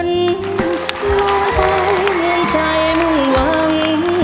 เมื่อนั้นหลอยเขาเหมือนใจมึงวัง